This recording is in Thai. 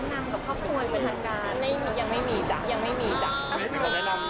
น้องก็ยังไม่มีจริงหรอ